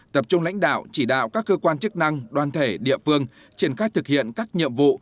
tập trung lãnh đạo chỉ đạo các cơ quan chức năng đoàn thể địa phương triển khai thực hiện các nhiệm vụ